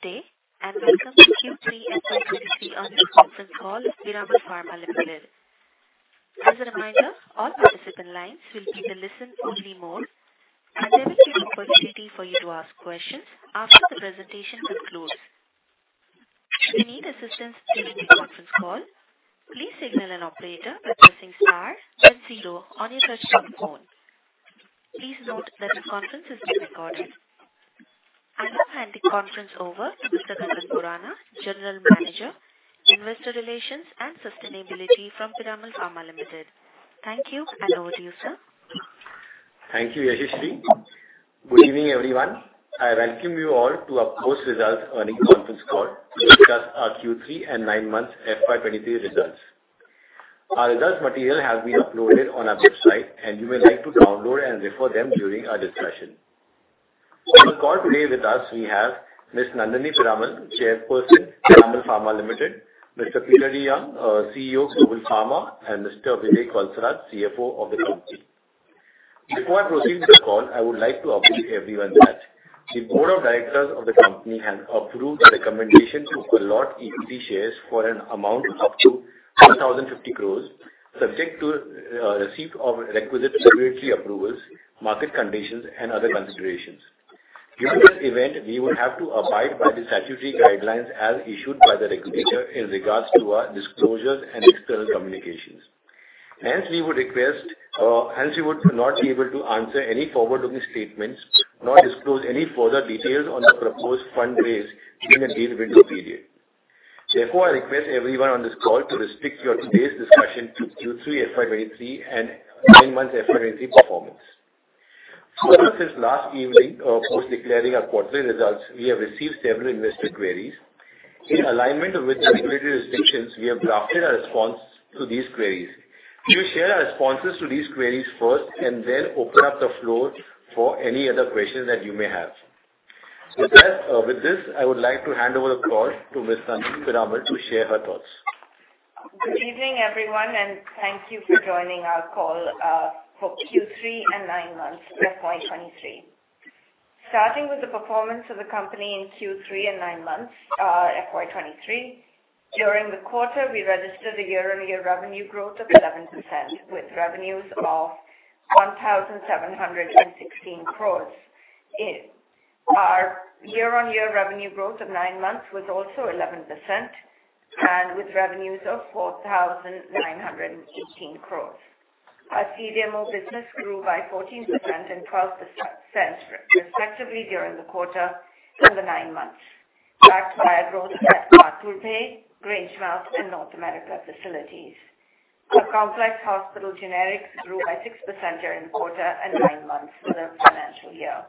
Good day. Welcome to Q3 FY 2023 earnings conference call of Piramal Pharma Limited. As a reminder, all participant lines will be in a listen-only mode, and there will be an opportunity for you to ask questions after the presentation concludes. Should you need assistance during the conference call, please signal an operator by pressing star then zero on your touch-tone phone. Please note that the conference is being recorded. I will hand the conference over to Mr. Gagan Borana, General Manager, Investor Relations and Sustainability from Piramal Pharma Limited. Thank you, and over to you, sir. Thank you, Yashaswi. Good evening, everyone. I welcome you all to our post-results earnings conference call to discuss our Q3 and nine months FY 2023 results. Our results material has been uploaded on our website, and you may like to download and refer them during our discussion. On the call today with us, we have Ms. Nandini Piramal, Chairperson, Piramal Pharma Limited, Mr. Peter DeYoung, CEO, Global Pharma, and Mr. Vivek Valsaraj, CFO of the company. Before I proceed with the call, I would like to update everyone that the board of directors of the company has approved the recommendation to allot equity shares for an amount up to 10,050 crores, subject to receipt of requisite regulatory approvals, market conditions and other considerations. During this event, we will have to abide by the statutory guidelines as issued by the regulator in regards to our disclosures and external communications. Hence, we would not be able to answer any forward-looking statements, nor disclose any further details on the proposed fundraise during the deal window period. Therefore, I request everyone on this call to restrict your today's discussion to Q3 FY 2023 and nine months FY 2023 performance. Since last evening, post declaring our quarterly results, we have received several investor queries. In alignment with regulatory restrictions, we have drafted our response to these queries. We will share our responses to these queries first and then open up the floor for any other questions that you may have. With that, with this, I would like to hand over the call to Ms. Nandini Piramal to share her thoughts. Good evening, everyone, and thank you for joining our call for Q3 and nine months FY 2023. Starting with the performance of the company in Q3 and nine months FY 2023. During the quarter, we registered a year-on-year revenue growth of 11%, with revenues of 1,716 crores. Our year-on-year revenue growth of nine months was also 11% and with revenues of 4,918 crores. Our CDMO business grew by 14% and 12% respectively during the quarter and the nine months, backed by a growth at Satpur Te, Grangemouth and North America facilities. Our complex hospital generics grew by 6% during the quarter and nine months for the financial year.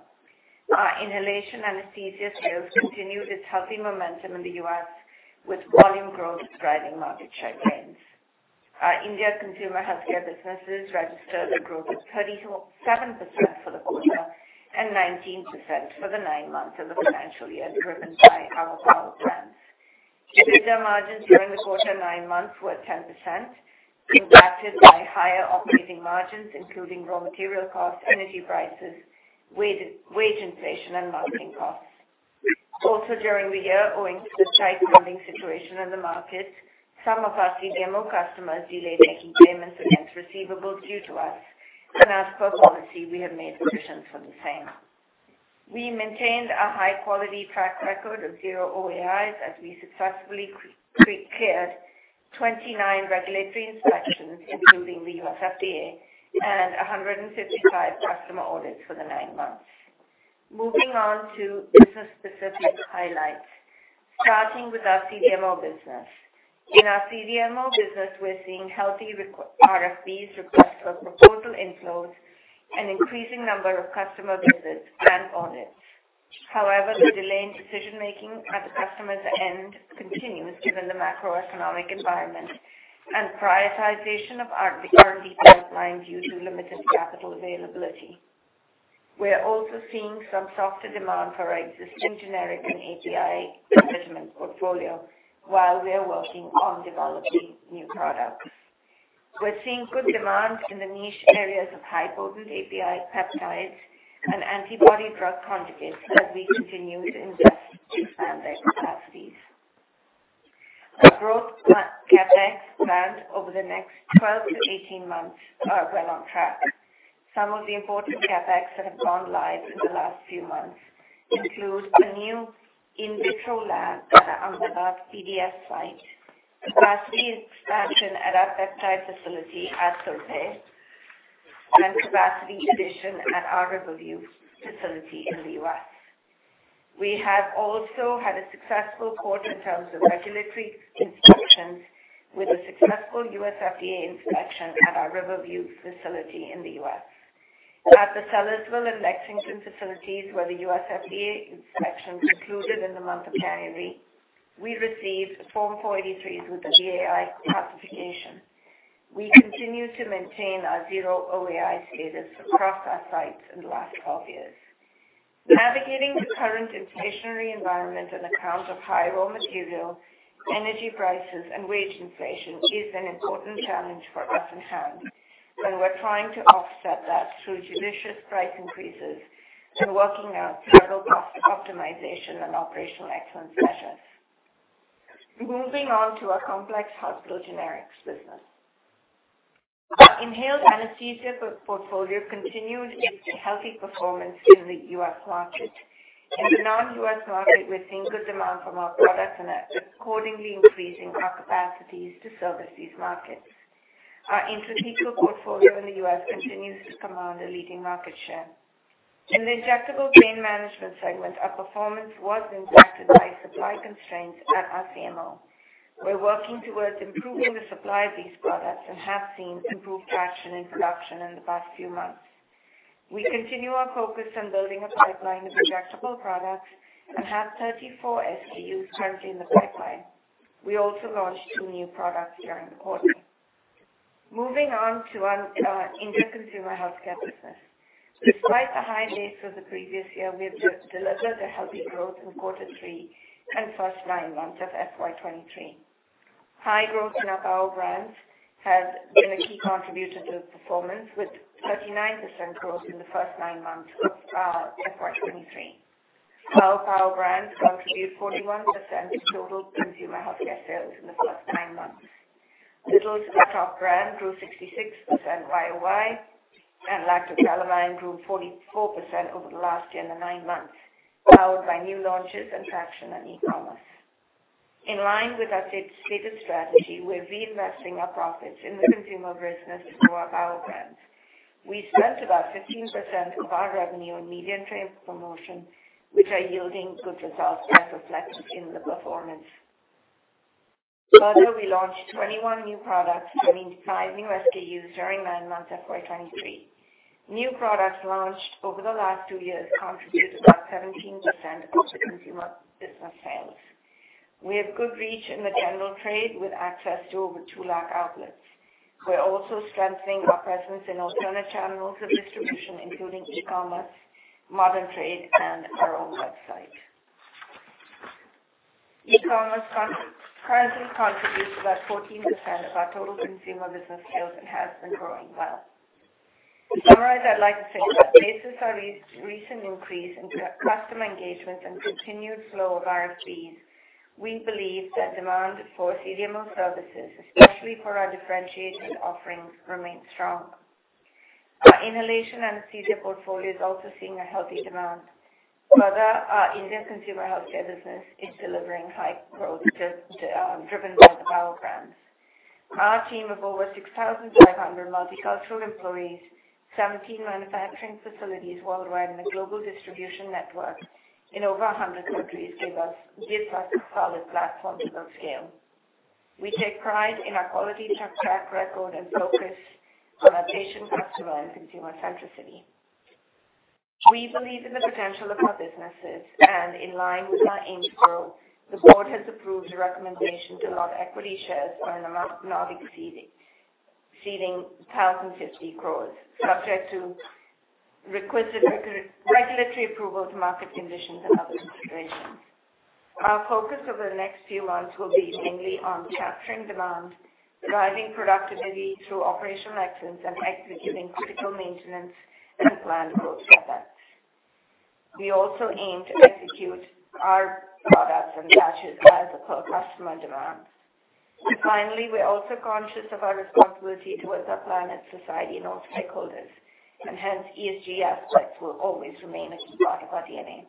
Our inhalation anesthesia sales continued its healthy momentum in the US, with volume growth driving market share gains. Our India consumer healthcare businesses registered a growth of 37% for the quarter and 19% for the nine months of the financial year, driven by our power brands. EBITDA margins during the quarter nine months were 10%, impacted by higher operating margins, including raw material costs, energy prices, wage inflation and marketing costs. During the year, owing to the tight funding situation in the market, some of our CDMO customers delayed making payments against receivables due to us. As per policy, we have made provisions for the same. We maintained a high-quality track record of zero OAIs as we successfully cleared 29 regulatory inspections, including the U.S. FDA and 155 customer audits for the nine months. Moving on to business-specific highlights. Starting with our CDMO business. In our CDMO business, we're seeing healthy RFPs, requests for proposal inflows, an increasing number of customer visits and audits. The delay in decision-making at the customer's end continues, given the macroeconomic environment and prioritization of our currently pipelined due to limited capital availability. We are also seeing some softer demand for our existing generic and API investments portfolio while we are working on developing new products. We're seeing good demand in the niche areas of high potent API peptides and antibody drug conjugates as we continue to invest to expand their capacities. Our growth CapEx planned over the next 12 to 18 months were on track. Some of the important CapEx that have gone live in the last few months include a new in vitro lab at our Ahmedabad CDF site, a capacity expansion at our peptide facility at Turbhe, and capacity addition at our Riverview facility in the U.S. We have also had a successful quarter in terms of regulatory inspections with a successful U.S. FDA inspection at our Riverview facility in the U.S. At the Sellersville and Lexington facilities, where the US FDA inspection concluded in the month of January, we received Form 483s with the VAI classification. We continue to maintain our zero OAI status across our sites in the last 12 years. Navigating the current inflationary environment on account of high raw material, energy prices, and wage inflation is an important challenge for us in hand. We're trying to offset that through judicious price increases and working on total cost optimization and operational excellence measures. Moving on to our Complex Hospital Generics business. Our inhaled anesthesia portfolio continued its healthy performance in the U.S. market. In the non-U.S. market, we're seeing good demand from our product and are accordingly increasing our capacities to service these markets. Our intravenous portfolio in the U.S. continues to command a leading market share. In the Injectable Pain Management segment, our performance was impacted by supply constraints at our CMO. We're working towards improving the supply of these products and have seen improved traction in production in the past few months. We continue our focus on building a pipeline of injectable products and have 34 SKUs currently in the pipeline. We also launched two new products during the quarter. Moving on to our India Consumer Healthcare business. Despite the high base of the previous year, we have de-delivered a healthy growth in quarter three and first nine months of FY 2023. High growth in our power brands has been a key contributor to the performance, with 39% growth in the first nine months of FY 2023. While power brands contribute 41% to total consumer healthcare sales in the first nine months. Little's, our top brand, grew 66% YOY, and Lacto Calamine grew 44% over the last year in the nine months, powered by new launches and traction on e-commerce. In line with our stated strategy, we're reinvesting our profits in the consumer business to grow our Power Brands. We spent about 15% of our revenue on media and trade promotion, which are yielding good results and are reflected in the performance. Further, we launched 21 new products and introduced five new SKUs during nine months of FY 2023. New products launched over the last two years contributed about 17% of the consumer business sales. We have good reach in the general trade with access to over 2 lac outlets. We're also strengthening our presence in alternate channels of distribution, including e-commerce, modern trade, and our own website. E-commerce currently contributes about 14% of our total consumer business sales and has been growing well. To summarize, I'd like to say that basis our recent increase into customer engagements and continued flow of RFPs, we believe that demand for CDMO services, especially for our differentiated offerings, remain strong. Our inhalation anesthesia portfolio is also seeing a healthy demand. Further, our Indian consumer healthcare business is delivering high growth, driven by the Power Brands. Our team of over 6,500 multicultural employees, 17 manufacturing facilities worldwide, and a global distribution network in over 100 countries give us a solid platform to build scale. We take pride in our quality track record and focus on our patient, customer and consumer centricity. We believe in the potential of our businesses, in line with our aim to grow, the board has approved a recommendation to allot equity shares for an amount not exceeding 1,050 crores, subject to requisite regulatory approval to market conditions and other considerations. Our focus over the next few months will be mainly on capturing demand, driving productivity through operational excellence, and executing critical maintenance and planned growth projects. We also aim to execute our products and batches as per customer demands. Finally, we are also conscious of our responsibility towards our planet, society, and all stakeholders. Hence ESG aspects will always remain a key part of our DNA.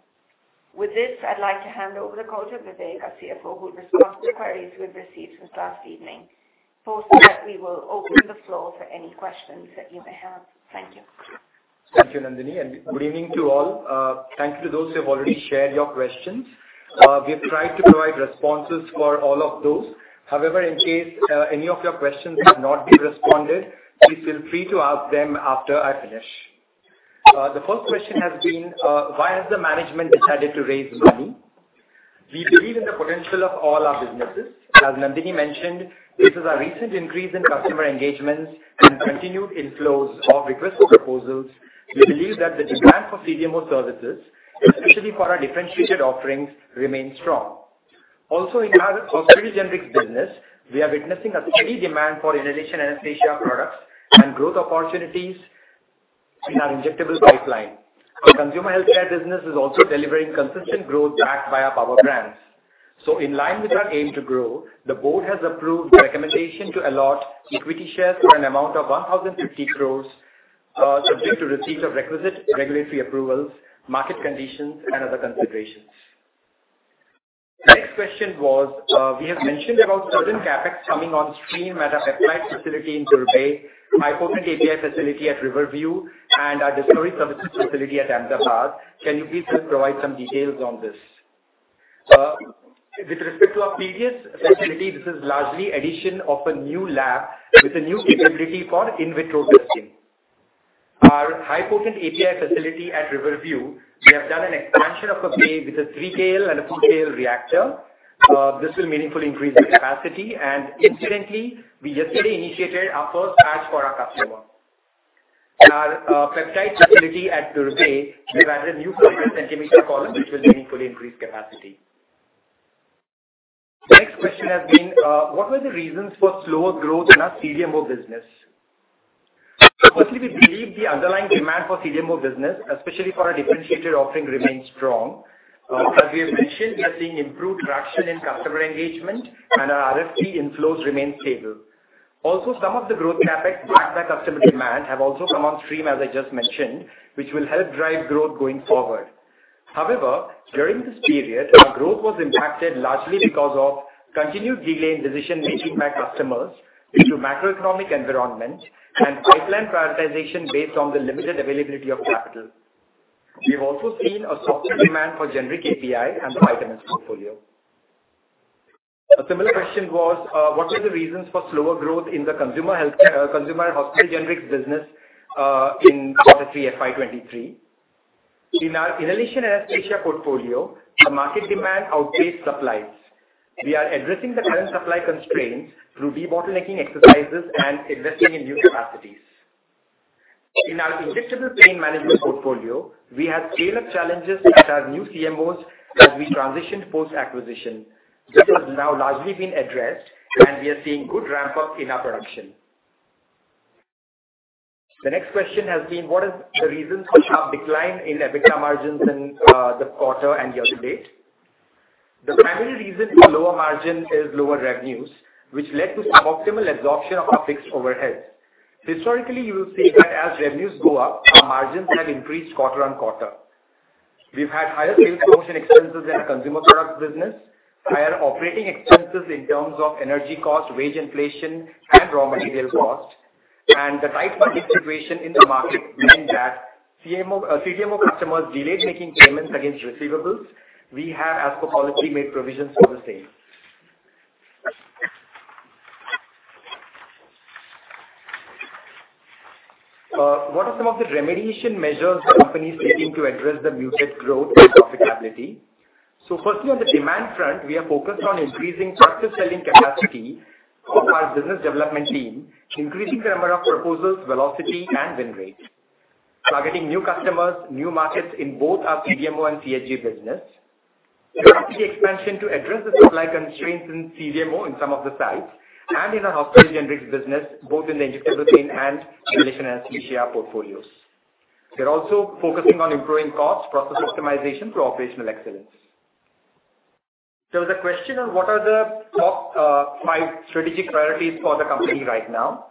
With this, I'd like to hand over the call to Vivek, our CFO, who will respond to queries we've received since last evening. After that we will open the floor for any questions that you may have. Thank you. Thank you, Nandini, and good evening to all. Thank you to those who have already shared your questions. We have tried to provide responses for all of those. However, in case, any of your questions have not been responded, please feel free to ask them after I finish. The first question has been, why has the management decided to raise money? We believe in the potential of all our businesses. As Nandini mentioned, this is a recent increase in customer engagements and continued inflows of requested proposals. We believe that the demand for CDMO services, especially for our differentiated offerings, remain strong. Also, in our off-patents generics business, we are witnessing a steady demand for inhalation anesthesia products and growth opportunities in our injectable pipeline. Our consumer healthcare business is also delivering consistent growth backed by our Power Brands. In line with our aim to grow, the board has approved the recommendation to allot equity shares for an amount of 1,050 crores, subject to receipt of requisite regulatory approvals, market conditions and other considerations. The next question was, we have mentioned about certain CapEx coming on stream at our peptide facility in Turbhe, high potent API facility at Riverview and our Discovery Services facility at Ahmedabad. Can you please just provide some details on this? With respect to our PDS facility, this is largely addition of a new lab with a new capability for in vitro testing. Our high potent API facility at Riverview, we have done an expansion of a bay with a 3 KL and a 2 KL reactor. This will meaningfully increase the capacity. And incidentally, we yesterday initiated our first batch for our customer. Our peptide facility at Turbhe, we've added new 500 centimeter column, which will meaningfully increase capacity. The next question has been, what were the reasons for slower growth in our CDMO business? Firstly, we believe the underlying demand for CDMO business, especially for our differentiated offering, remains strong. As we have mentioned, we are seeing improved traction in customer engagement and our RFP inflows remain stable. Also, some of the growth CapEx backed by customer demand have also come on stream, as I just mentioned, which will help drive growth going forward. However, during this period, our growth was impacted largely because of continued delay in decision-making by customers due to macroeconomic environment and pipeline prioritization based on the limited availability of capital. We have also seen a softer demand for generic API and the vitamins portfolio. A similar question was, what were the reasons for slower growth in the consumer healthcare consumer hospital generics business in Q3 FY 2023? In our inhalation anesthesia portfolio, the market demand outpaced supplies. We are addressing the current supply constraints through debottlenecking exercises and investing in new capacities. In our injectable pain management portfolio, we had scale-up challenges at our new CMOs as we transitioned post-acquisition. This has now largely been addressed and we are seeing good ramp-up in our production. The next question has been what is the reasons for sharp decline in EBITDA margins in the quarter and year-to-date. The primary reason for lower margin is lower revenues, which led to suboptimal absorption of our fixed overheads. Historically, you will see that as revenues go up, our margins have increased quarter-on-quarter. We've had higher sales promotion expenses in our consumer products business, higher operating expenses in terms of energy cost, wage inflation, and raw material costs. The tight funding situation in the market meant that CMO, CDMO customers delayed making payments against receivables. We have, as per policy, made provisions for the same. What are some of the remediation measures the company is taking to address the muted growth and profitability? Firstly, on the demand front, we are focused on increasing proactive selling capacity of our business development team, increasing the number of proposals, velocity and win rates. Targeting new customers, new markets in both our CDMO and CHG business. Capacity expansion to address the supply constraints in CDMO in some of the sites and in our hospital generics business, both in the injectable pain and inhalation anesthesia portfolios. We are also focusing on improving costs, process optimization through operational excellence. There was a question on what are the top five strategic priorities for the company right now.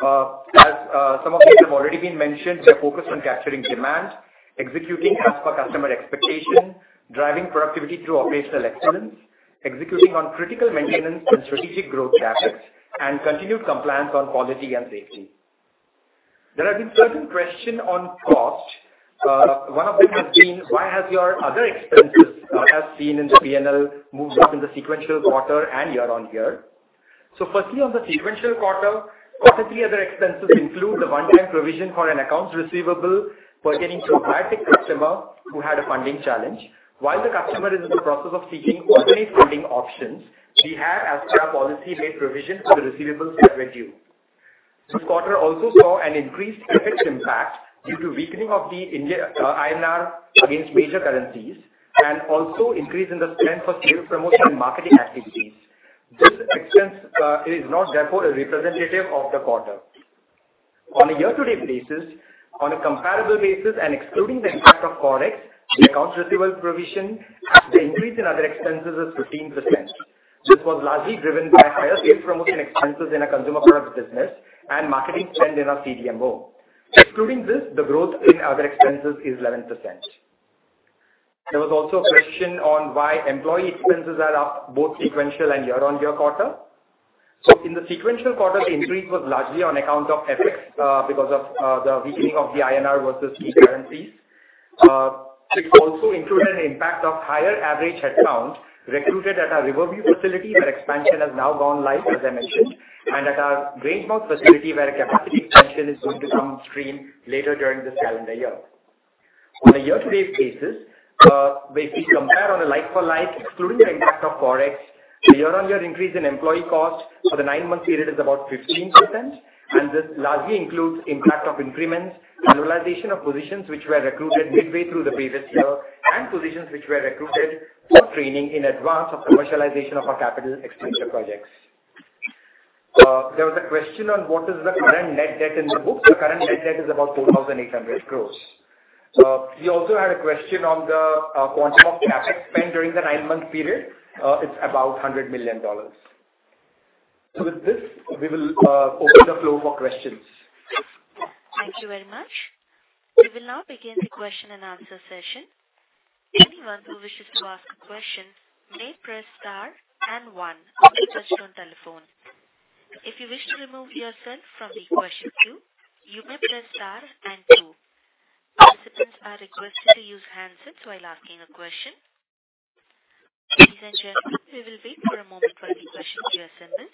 As some of these have already been mentioned, we are focused on capturing demand, executing as per customer expectation, driving productivity through operational excellence, executing on critical maintenance and strategic growth CapEx, and continued compliance on quality and safety. There have been certain question on cost. One of them has been why has your other expenses as seen in the PNL moved up in the sequential quarter and year-on-year. Firstly, on the sequential quarter, Q3 other expenses include the one-time provision for an accounts receivable pertaining to a biotech customer who had a funding challenge. While the customer is in the process of seeking alternate funding options, we have, as per our policy, made provision for the receivables that were due. This quarter also saw an increased FX impact due to weakening of the India, INR against major currencies and also increase in the spend for sales promotion and marketing activities. This expense is not therefore a representative of the quarter. On a year-to-date basis, on a comparable basis and excluding the impact of forex, the accounts receivable provision, the increase in other expenses is 15%. This was largely driven by higher sales promotion expenses in our consumer products business and marketing spend in our CDMO. Excluding this, the growth in other expenses is 11%. There was also a question on why employee expenses are up both sequential and year-on-year quarter. In the sequential quarter the increase was largely on account of FX because of the weakening of the INR versus key currencies. It also included an impact of higher average headcount recruited at our Riverview facility where expansion has now gone live, as I mentioned, and at our Grangemouth facility where a capacity expansion is going to come stream later during this calendar year. On a year-to-date basis, when we compare on a like for like, excluding the impact of forex, the year-on-year increase in employee cost for the nine-month period is about 15%. This largely includes impact of increments and realization of positions which were recruited midway through the previous year and positions which were recruited for training in advance of commercialization of our capital expenditure projects. There was a question on what is the current net debt in the books. The current net debt is about 4,800 crores. We also had a question on the quantum of CapEx spend during the nine-month period. It's about $100 million. With this, we will open the floor for questions. Thank you very much. We will now begin the question and answer session. Anyone who wishes to ask a question may press star and one on their touch-tone telephone. If you wish to remove yourself from the question queue, you may press star and two. Participants are requested to use handsets while asking a question. Ladies and gentlemen, we will wait for a moment for any questions to assemble.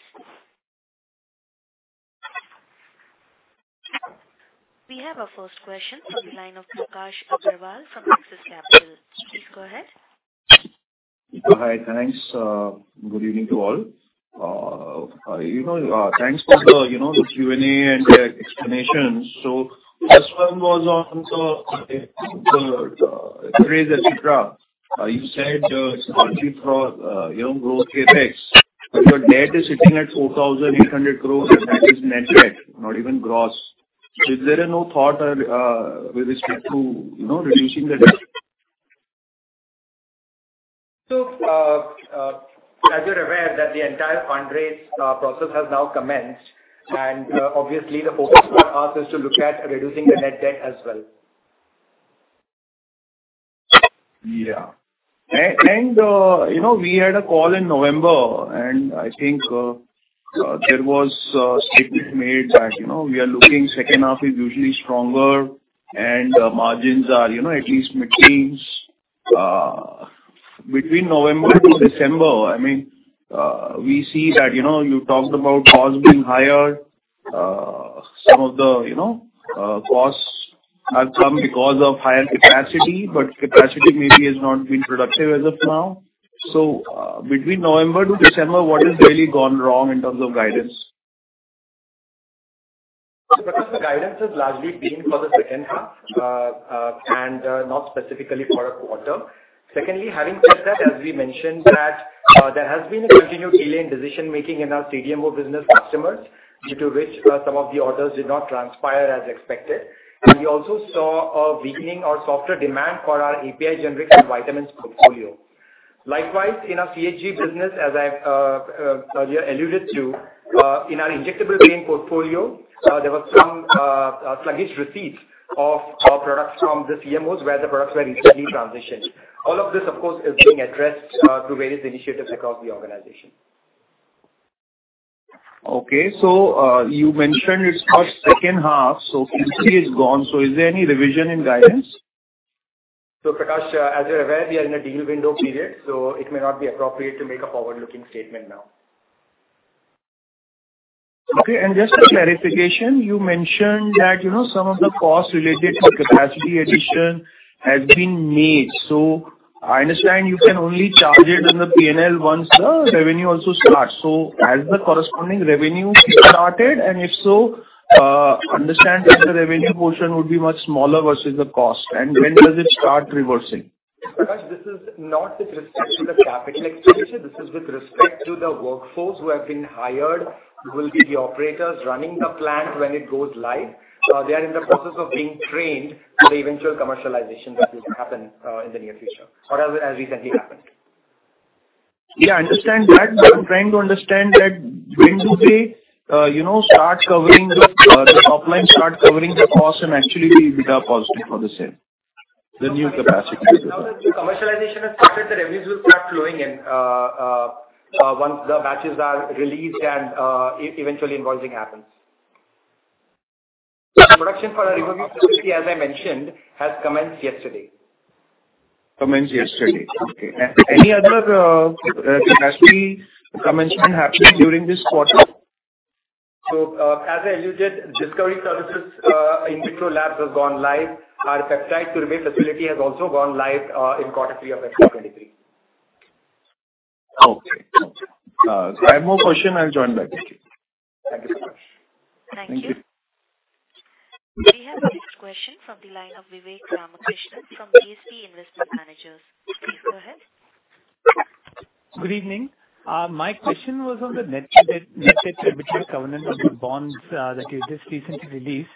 We have our first question from the line of Prakash Agarwal from Axis Capital. Please go ahead. Hi, thanks. Good evening to all. You know, thanks for the, you know, the Q&A and the explanations. First one was on the raise, et cetera. You said, it's largely for, you know, growth CapEx. Your net is sitting at 4,800 crore and that is net debt, not even gross. Is there a no thought with respect to, you know, reducing the debt? As you're aware that the entire fundraise process has now commenced and obviously the focus for us is to look at reducing the net debt as well. Yeah. You know, we had a call in November and I think, there was a statement made that, you know, we are looking second half is usually stronger and margins are, you know, at least maintains. Between November to December, I mean, we see that, you know, you talked about costs being higher. Some of the, you know, costs have come because of higher capacity, but capacity maybe has not been productive as of now. Between November to December, what has really gone wrong in terms of guidance? Because the guidance has largely been for the second half, not specifically for a quarter. Secondly, having said that, as we mentioned that, there has been a continued delay in decision-making in our CDMO business customers, due to which some of the orders did not transpire as expected. We also saw a weakening or softer demand for our API generic and vitamins portfolio. Likewise, in our CHG business as I've earlier alluded to, in our injectable filling portfolio, there was some sluggish receipt of our products from the CMOs where the products were recently transitioned. All of this, of course, is being addressed through various initiatives across the organization. Okay. You mentioned it's for second half, so Q3 is gone. Is there any revision in guidance? Prakash, as you're aware, we are in a deal window period, so it may not be appropriate to make a forward-looking statement now. Okay. Just for clarification, you mentioned that, you know, some of the costs related to capacity addition has been made. I understand you can only charge it in the P&L once the revenue also starts. Has the corresponding revenue started? If so, understand that the revenue portion would be much smaller versus the cost. When does it start reversing? Prakash, this is not with respect to the capital expenditure, this is with respect to the workforce who have been hired, who will be the operators running the plant when it goes live. They are in the process of being trained for the eventual commercialization that will happen in the near future or as recently happened. I understand that, but I'm trying to understand that when do they, you know, start covering the top line start covering the cost and actually we become positive for the same, the new capacity. Now that the commercialization has started, the revenues will start flowing in, once the batches are released and eventually invoicing happens. Production for our Rivaroxaban, as I mentioned, has commenced yesterday. Commenced yesterday. Okay. Any other capacity commencement happened during this quarter? As I alluded, discovery services, in vitro labs has gone live. Our peptide facility has also gone live in quarter three of fiscal 2023. Okay. I have no question. I'll join back. Thank you. Thank you so much. Thank you. Thank you. We have our next question from the line of Vivek Ramakrishnan from DSP Investment Managers. Please go ahead. Good evening. My question was on the net debt, net debt to EBITDA covenant of the bonds that you just recently released.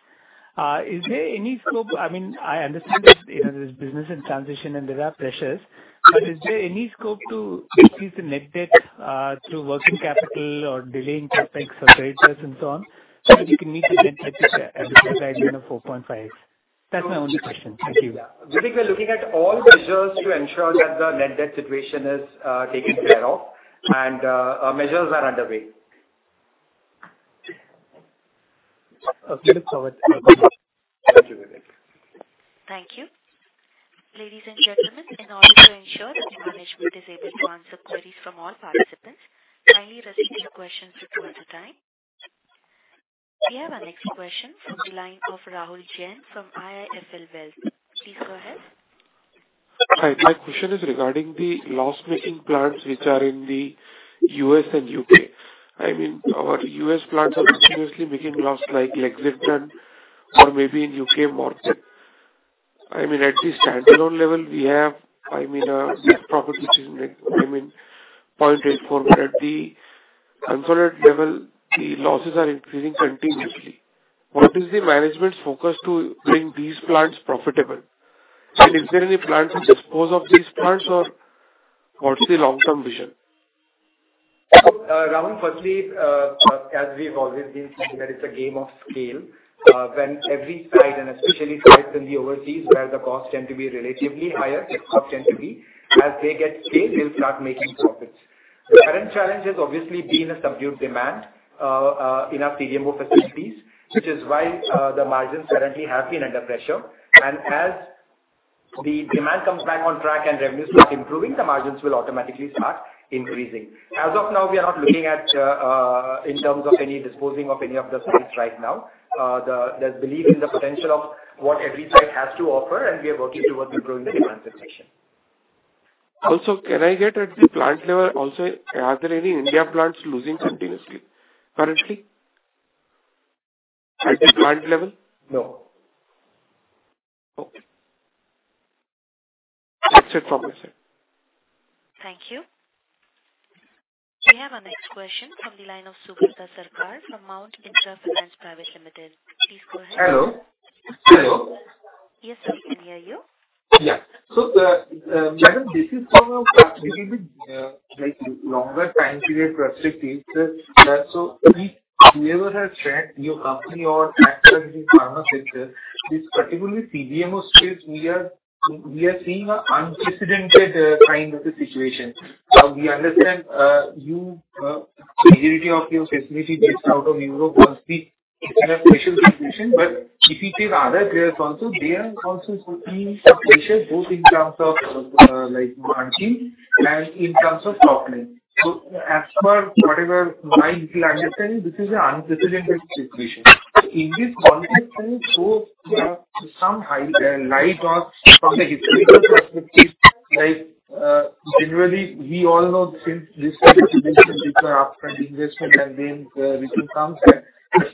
Is there any scope... I mean, I understand that, you know, there's business in transition and there are pressures, but is there any scope to decrease the net debt through working capital or delaying CapEx or trade debts and so on, so that you can meet the net debt to EBITDA covenant of 4.5? That's my only question. Thank you. Yeah. Vivek, we are looking at all measures to ensure that the net debt situation is taken care of and our measures are underway. Okay. Look forward to it. Thank you, Vivek. Thank you. Ladies and gentlemen, in order to ensure that the management is able to answer queries from all participants, kindly restrict your questions to two at a time. We have our next question from the line of Rahul Jain from IIFL Wealth. Please go ahead. Hi. My question is regarding the loss-making plants which are in the U.S. and U.K. I mean, our U.S. plants are seriously making loss like Lexington or maybe in U.K., Morpeth. I mean, at the standalone level we have, I mean, net profit which is, I mean, 0.84. At the consolidated level, the losses are increasing continuously. What is the management's focus to bring these plants profitable? Is there any plan to dispose of these plants or what's the long-term vision? Rahul, firstly, as we've always been saying that it's a game of scale. When every site and especially sites in the overseas where the costs tend to be relatively higher, fixed costs tend to be, as they get scale, they'll start making profits. The current challenge has obviously been a subdued demand in our CDMO facilities, which is why the margins currently have been under pressure. As the demand comes back on track and revenues start improving, the margins will automatically start increasing. As of now, we are not looking at in terms of any disposing of any of the sites right now. The, there's belief in the potential of what every site has to offer, and we are working toward improving the financial section. Also, can I get at the plant level also, are there any India plants losing continuously currently at the plant level? No. Okay. That's it from my side. Thank you. We have our next question from the line of Subrata Sarkar from Mount Intra Finance Private Limited. Please go ahead. Hello. Hello. Yes, sir, we can hear you. Yeah. Madam, this is from a perspective with like longer time period perspective. Whoever has tracked your company or pharma sector, this particularly CDMO space, we are seeing a unprecedented kind of a situation. We understand you, majority of your facility gets out of Europe, must be in a special situation. If you take other players also, they are also seeing some pressure both in terms of like margin and in terms of top line. As per whatever my little understanding, this is a unprecedented situation. In this context, can you throw some high light on from the historical perspective, like generally we all know since this kind of situation, these are upfront investment and then return comes, right?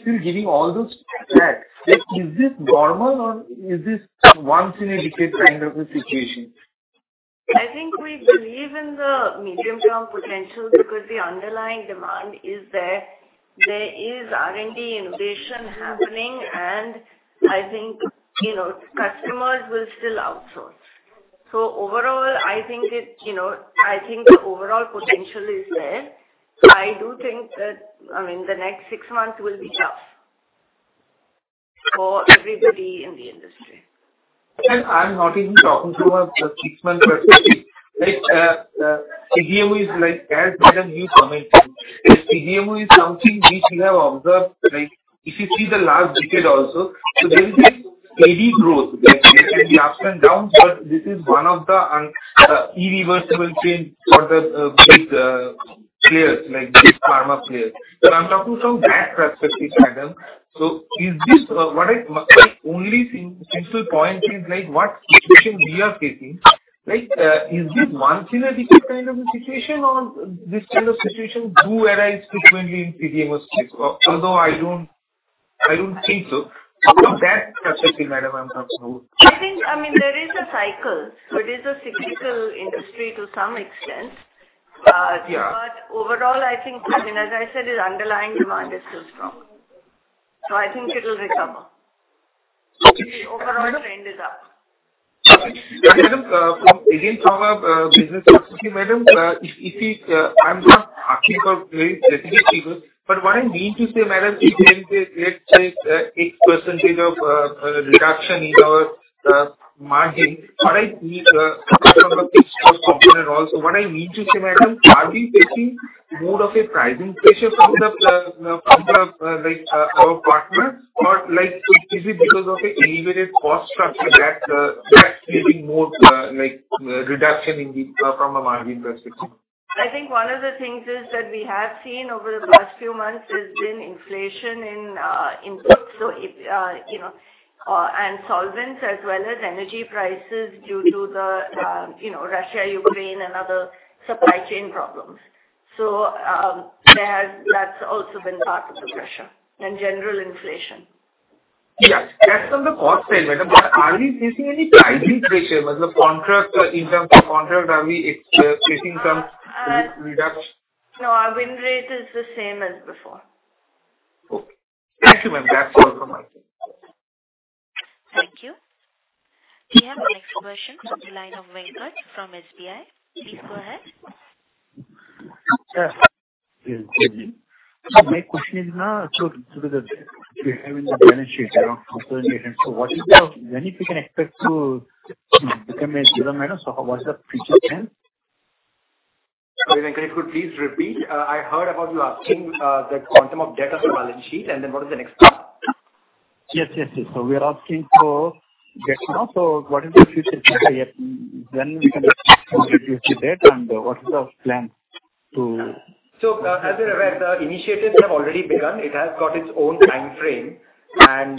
Still giving all those track, like, is this normal or is this once in a decade kind of a situation? I think we believe in the medium-term potential because the underlying demand is there. There is R&D innovation happening, and I think, you know, customers will still outsource. Overall, I think it's, you know. I think the overall potential is there. I do think that, I mean, the next six months will be tough for everybody in the industry. I'm not even talking from a six-month perspective. Like, CDMO is like as, madam, you commented. CDMO is something which we have observed, like if you see the last decade also, there is a steady growth. Like, there can be ups and downs, but this is one of the irreversible trend for the big players, like big pharma players. I'm talking from that perspective, madam. Is this what I, my only sin-central point is like what situation we are facing, is this once in a decade kind of a situation or this kind of situation do arise frequently in CDMO space? Although I don't, I don't think so. From that perspective, madam, I'm talking about. I think, I mean, there is a cycle. It is a cyclical industry to some extent. Yeah. Overall, I think, I mean, as I said, the underlying demand is still strong. I think it'll recover. Okay. The overall trend is up. Okay. Madam, from, again, from a business perspective, madam, if we I'm not asking for very specific figures, but what I mean to say, madam, if there is a, let's say, X percentage of reduction in our margin, what I mean, from the fixed cost component also, what I mean to say, madam, are we facing more of a pricing pressure from the our partner or is it because of a elevated cost structure that that's giving more reduction in the from a margin perspective? I think one of the things is that we have seen over the past few months has been inflation in inputs. If, you know, and solvents as well as energy prices due to the, you know, Russia, Ukraine and other supply chain problems. That's also been part of the pressure and general inflation. Yeah. That's on the cost side, madam. Are we facing any pricing pressure? As a contract, in terms of contract, are we facing some reduction? No, our win rate is the same as before. Okay. Thank you, madam. That's all from my side. Thank you. We have our next question from the line of Venkat from SBI. Please go ahead. Yeah. My question is now through the, we have in the balance sheet around consortium. When we can expect to become a zero, madam? What's the future plan? Sorry, Venkat. Could please repeat? I heard about you asking the quantum of debt on the balance sheet, and then what is the next plan. Yes. We are asking for debt now. What is the future plan here? When we can expect to reduce the debt, and what is the plan? As you're aware, the initiatives have already begun. It has got its own time frame. As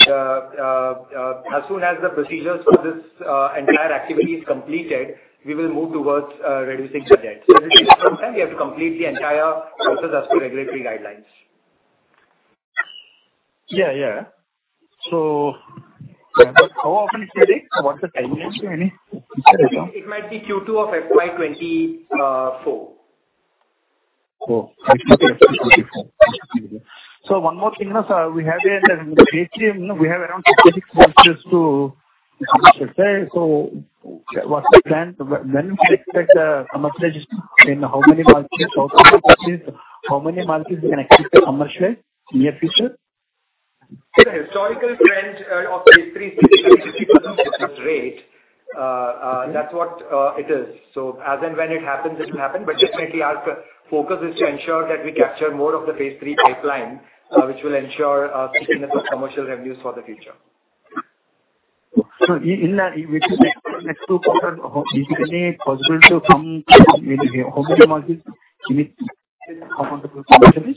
soon as the procedures for this entire activity is completed, we will move towards reducing the debt. This will take some time. We have to complete the entire process as per regulatory guidelines. Yeah, yeah. How often is your date? What's the timeline to any future item? It might be Q2 of FY 2024. Oh, FY 2024. One more thing, sir. We have a phase III, you know, we have around 56 molecules to commercialize. What's the plan? When we can expect the commercialization in how many molecules or how many molecules we can expect to commercialize near future? The historical trend of phase three is 60%-70% success rate. That's what it is. As and when it happens, it'll happen. Just Medley's focus is to ensure that we capture more of the phase three pipeline, which will ensure steadiness of commercial revenues for the future. In that, which is next two quarters, is it any possibility of some, maybe how many molecules you need to be comfortable commercialize?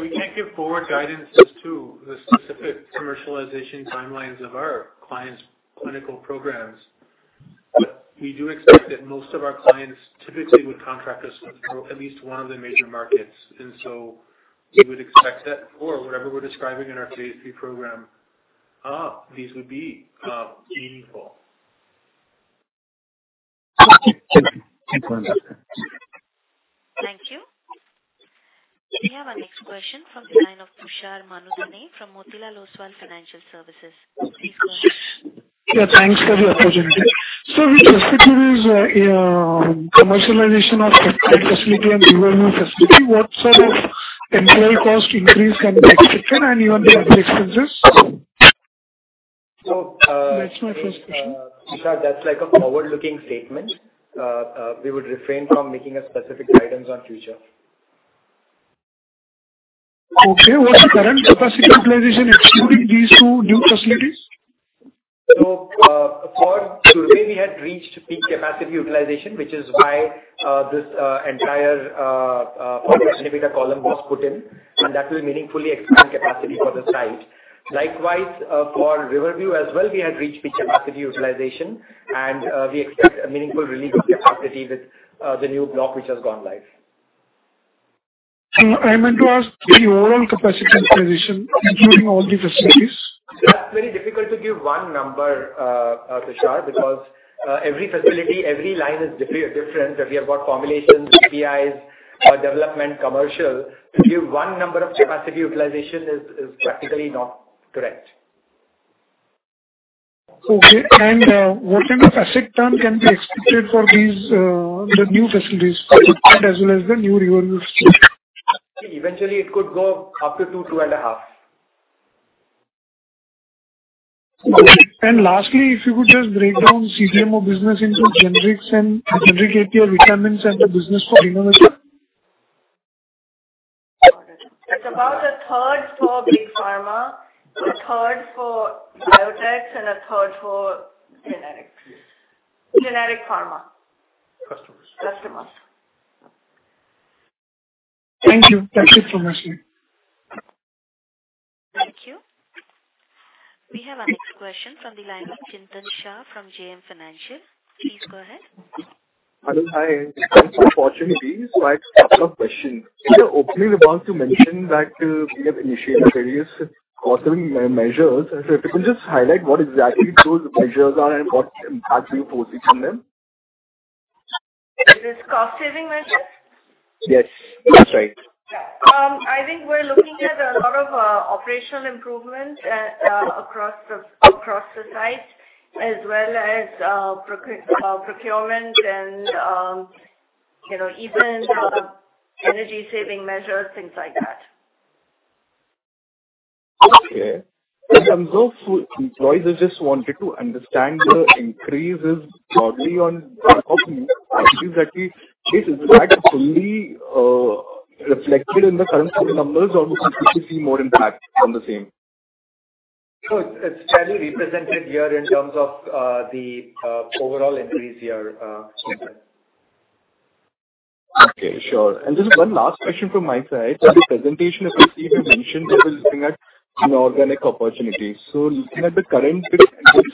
We can't give forward guidance as to the specific commercialization timelines of our clients' clinical programs. We do expect that most of our clients typically would contract us for at least one of the major markets. We would expect that for whatever we're describing in our phase III program, these would be meaningful. Thank you. We have our next question from the line of Tushar Manudhane from Motilal Oswal Financial Services. Please go ahead. Yeah, thanks for the opportunity. With respect to this, commercialization of facility and Riverview facility, what sort of employee cost increase can be expected and even capital expenses? So, uh- That's my first question. Tushar, that's like a forward-looking statement. We would refrain from making a specific guidance on future. Okay. What's the current capacity utilization excluding these two new facilities? For Surat, we had reached peak capacity utilization, which is why this entire formulation column was put in, and that will meaningfully expand capacity for the site. Likewise, for Riverview as well, we had reached peak capacity utilization, and we expect a meaningful relief of capacity with the new block which has gone live. I meant to ask the overall capacity utilization including all the facilities. That's very difficult to give one number, Tushar, because every facility, every line is different. We have got formulations, APIs, development, commercial. To give one number of capacity utilization is practically not correct. Okay. What kind of asset term can be expected for these, the new facilities as well as the new Riverview facility? Eventually it could go up to two and a half. Okay. Lastly, if you could just break down the CDMO business into generics and generic API requirements and the business for innovators. It's about a third for big pharma, a third for biotechs, and a third for genetics. Yes. Generic pharma. Customers. Customers. Thank you. Thank you so much. Thank you. We have our next question from the line of Chintan Shah from JM Financial. Please go ahead. Anil, hi. Thanks for the opportunity. I have two questions. In your opening remarks, you mentioned that we have initiated various cost saving measures. If you can just highlight what exactly those measures are and what impact you foresee from them. Is this cost saving measures? Yes. That's right. I think we're looking at a lot of operational improvement across the site, as well as procurement and, you know, even energy saving measures, things like that. Okay. On those employees, I just wanted to understand the increases broadly on cost. I think that is fully reflected in the current numbers or we could see more impact from the same. No, it's fairly represented here in terms of, the, overall increase year, Chintan. Okay. Sure. Just one last question from my side. In the presentation, I see you mentioned that you're looking at inorganic opportunities. Looking at the current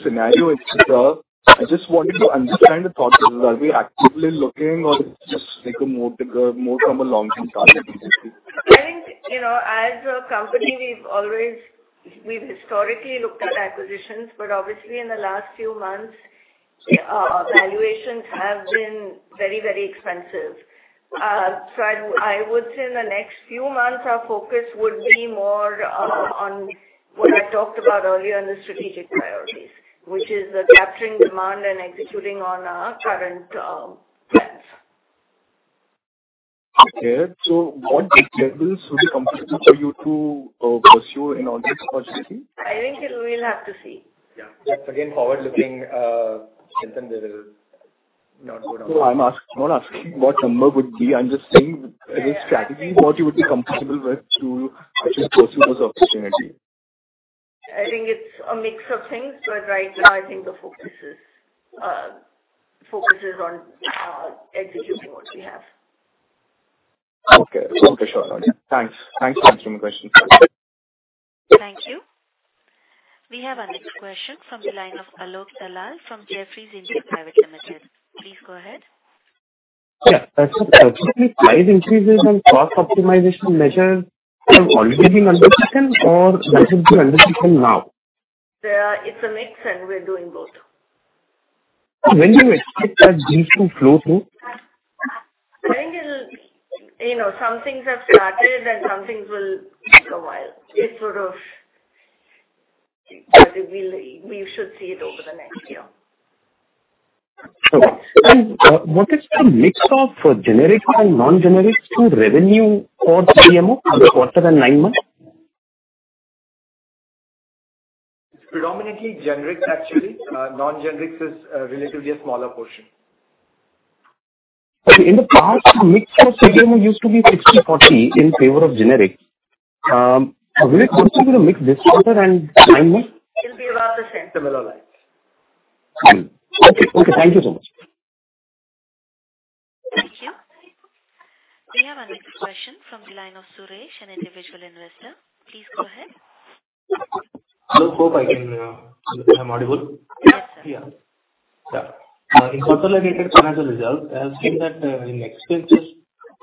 scenario itself, I just wanted to understand the thought. Are we actively looking or just take a more from a long-term target? I think, you know, as a company, we've always historically looked at acquisitions. Obviously in the last few months, valuations have been very, very expensive. I would say in the next few months, our focus would be more on what I talked about earlier in the strategic priorities, which is capturing demand and executing on our current plans. Okay. What multiples would be comfortable for you to pursue an organic opportunity? I think we'll have to see. Yeah. That's again forward-looking, Chintan. We will not go down. I'm not asking what number would be. I'm just saying as a strategy, what you would be comfortable with to pursue this opportunity. I think it's a mix of things, but right now I think the focus is on executing what we have. Okay. Okay, sure. Thanks. Thanks for answering the question. Thank you. We have our next question from the line of Alok Dalal from Jefferies India Private Limited. Please go ahead. Yeah. As a part of the price increases and cost optimization measures are already being undertaken or those will be undertaken now? It's a mix, and we're doing both. When do you expect that things to flow through? I think it'll. You know, some things have started, and some things will take a while. It's sort of. We'll, we should see it over the next year. Okay. What is the mix of generics and non-generics to revenue for CDMO for the quarter and nine months? Predominantly generics, actually. Non-generics is, relatively a smaller portion. In the past, the mix for CDMO used to be 60/40 in favor of generics. Will it continue to mix this quarter and 9 months? It'll be about the same. Similar line. Okay. Okay. Thank you so much. Thank you. We have our next question from the line of Suresh, an individual investor. Please go ahead. I hope I can, I'm audible. Yes. Yeah. Yeah. In consolidated financial results, I have seen that, in expenses,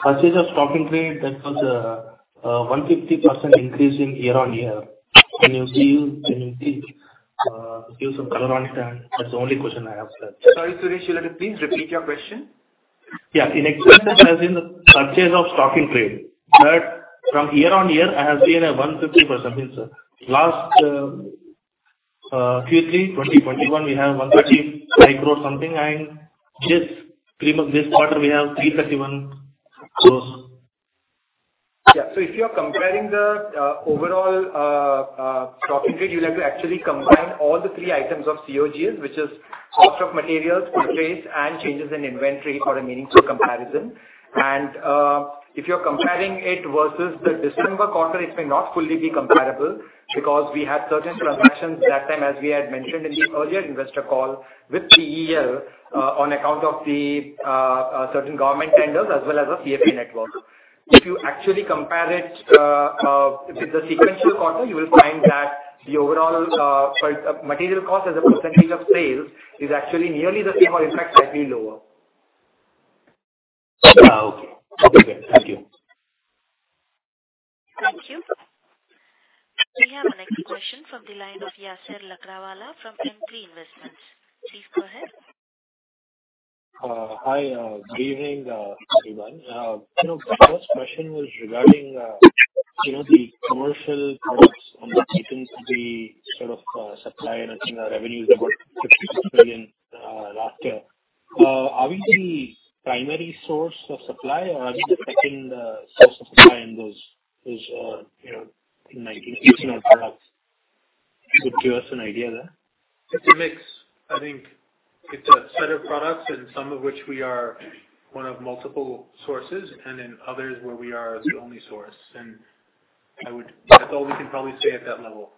purchase of stocking trade that was, a 150% increase in year-on-year. Can you please give some color on it? That's the only question I have, sir. Sorry, Suresh, you'll have to please repeat your question. Yeah. In expenses, as in the purchase of stocking trade, that from year-on-year, I have seen a 150%. Last Q3 2021, we have 135 crore something, and just premium this quarter we have 331 crores. If you are comparing the overall stocking trade, you'll have to actually combine all the three items of COGS, which is cost of materials, freights, and changes in inventory for a meaningful comparison. If you're comparing it versus the December quarter, it may not fully be comparable because we had certain transactions that time as we had mentioned in the earlier investor call with CEL on account of the certain government tenders as well as the CFA network. If you actually compare it with the sequential quarter, you will find that the overall material cost as a percentage of sales is actually nearly the same or in fact slightly lower. Okay. Okay, great. Thank you. Thank you. We have our next question from the line of Yesil Lakdawala from Emkay Investments. Please go ahead. Hi, good evening, everyone. You know, the first question was regarding, you know, the commercial products on the 15th of the sort of supply. I think our revenue is about 56 billion last year. Are we the primary source of supply, or are you the second source of supply in those, you know, in 19 products? Could you give us an idea there? It's a mix. I think it's a set of products and some of which we are one of multiple sources and then others where we are the only source. That's all we can probably say at that level.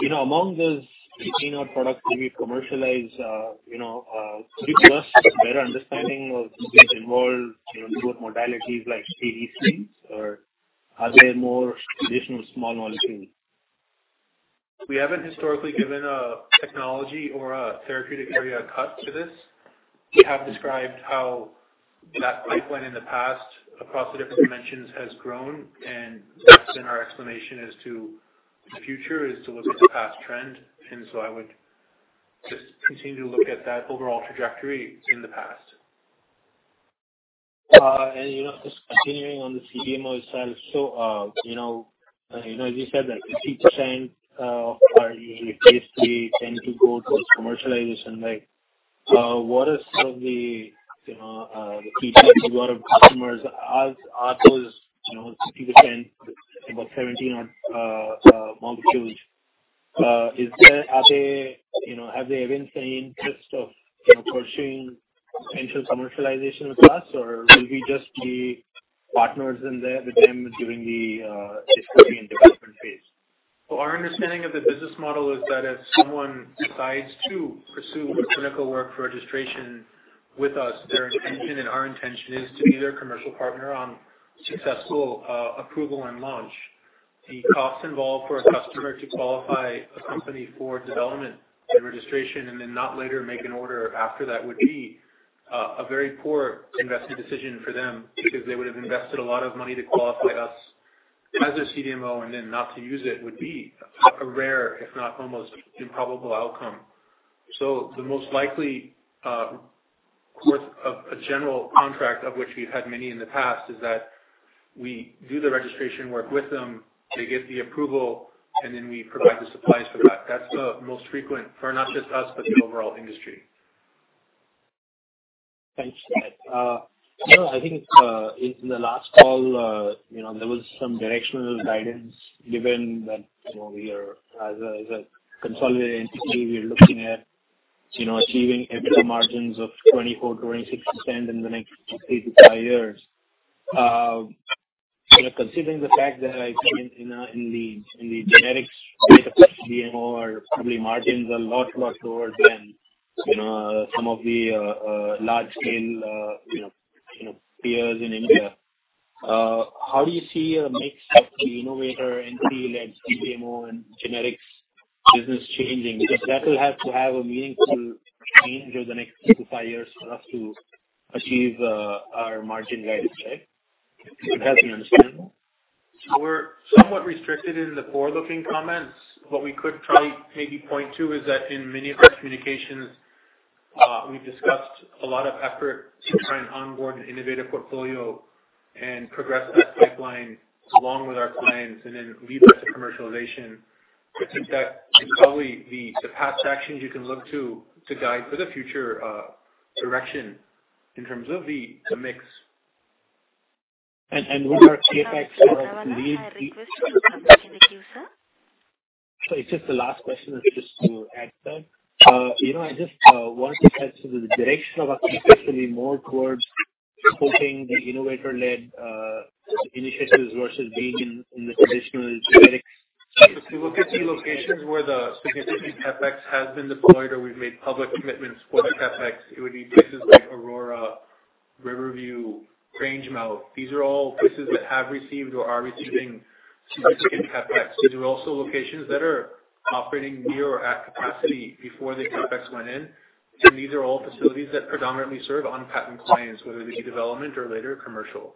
You know, among those 15 odd products that you commercialize, you know, could you give us a better understanding of the stage involved, you know, both modalities like CDMOs or are they more traditional small molecules? We haven't historically given a technology or a therapeutic area cut to this. We have described how that pipeline in the past across the different dimensions has grown. That's been our explanation as to the future, is to look at the past trend. I would just continue to look at that overall trajectory in the past. You know, just continuing on the CDMO side. You know, as you said that the teach chain are usually phase III, tend to go towards commercialization. What are some of the, you know, the key types of lot of customers as are those, you know, 50%, about 17 odd molecules. Are they, you know, have they even shown interest of, you know, pursuing potential commercialization with us or will we just be partners in there with them during the discovery and development phase? Our understanding of the business model is that if someone decides to pursue the clinical work for registration with us, their intention and our intention is to be their commercial partner on successful approval and launch. The cost involved for a customer to qualify a company for development and registration and then not later make an order after that would be a very poor investment decision for them because they would have invested a lot of money to qualify us as their CDMO and then not to use it would be a rare if not almost improbable outcome. The most likely course of a general contract, of which we've had many in the past, is that we do the registration work with them. They get the approval, and then we provide the supplies for that. That's the most frequent for not just us, but the overall industry. Thanks for that. I think, in the last call, there was some directional guidance given that we are as a, as a consolidated entity, we are looking at achieving EBITDA margins of 24%-60% in the next 3-5 years. Considering the fact that I think in the, in the generics space of CDMO are probably margins are a lot lower than, some of the, large scale, you know, peers in India. How do you see a mix of the innovator and pre-led CDMO and generics business changing? Because that will have to have a meaningful change over the next 3-5 years for us to achieve our margin guidance, right? If that's understandable. We're somewhat restricted in the forward-looking comments, but we could try maybe point to is that in many of our communications, we've discussed a lot of effort to try and onboard an innovative portfolio and progress that pipeline along with our clients and then lead that to commercialization. I think that is probably the past actions you can look to to guide for the future direction in terms of the mix. With our CapEx sort of. I have another request to come back in the queue, sir. It's just the last question is just to add to that. You know, I just wanted to get to the direction of our focus will be more towards supporting the innovator-led initiatives versus being in the traditional generic. If you look at the locations where the significant CapEx has been deployed or we've made public commitments for the CapEx, it would be places like Aurora, Riverview, Grangemouth. These are all places that have received or are receiving significant CapEx. These are also locations that are operating near or at capacity before the CapEx went in. These are all facilities that predominantly serve on-patent clients, whether they be development or later commercial.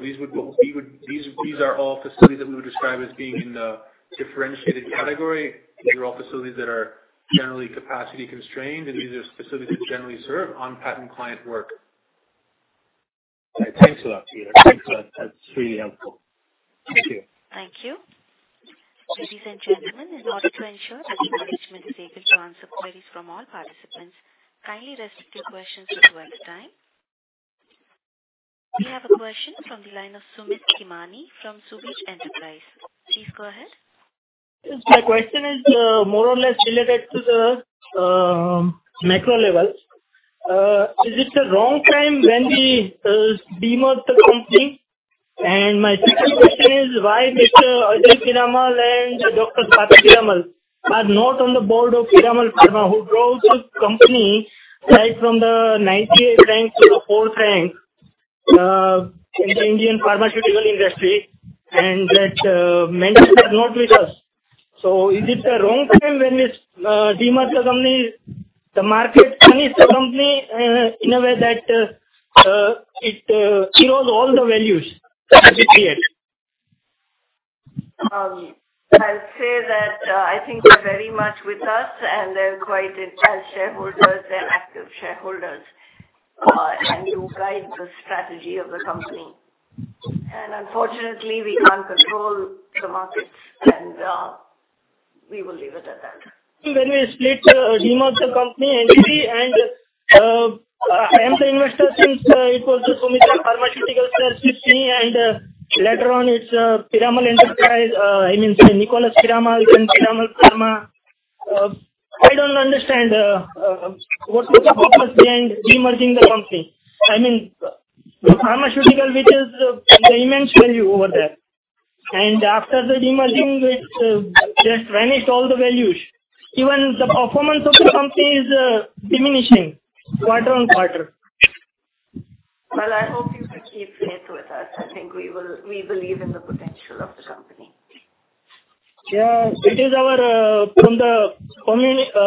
These are all facilities that we would describe as being in the differentiated category. These are all facilities that are generally capacity constrained, and these are facilities that generally serve on-patent client work. Thanks a lot, Peter. Thanks a lot. That's really helpful. Thank you. Thank you. Ladies and gentlemen, in order to ensure that the management is able to answer queries from all participants, kindly rest your questions with well time. We have a question from the line of Sumit Kamani from Shubh Enterprise. Please go ahead. Yes, my question is more or less related to the macro level. Is it the wrong time when we de-merge the company? My second question is why Mr. Ajay Piramal and Dr. Swati Piramal are not on the board of Piramal Pharma, who drove the company right from the 98th rank to the fourth rank in the Indian pharmaceutical industry and that management are not with us. Is it the wrong time when this de-merge the company, the market punish the company in a way that it kills all the values that has been created? I'll say that, I think they're very much with us and they're quite as shareholders, they're active shareholders, and who guide the strategy of the company. Unfortunately, we can't control the markets, and, we will leave it at that. When we split, demerge the company entity, I am the investor since it was the Sumitran Pharmaceuticals, Swissme, and later on it's Piramal Enterprise, I mean, Nicholas Piramal, then Piramal Pharma. I don't understand what was the purpose behind demerging the company. I mean, pharmaceutical, which is the immense value over there. After the demerging, it just vanished all the values. Even the performance of the company is diminishing quarter-on-quarter. Well, I hope you will keep faith with us. I think we believe in the potential of the company. Yeah. It is our, from the